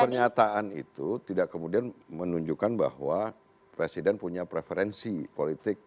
pernyataan itu tidak kemudian menunjukkan bahwa presiden punya preferensi politik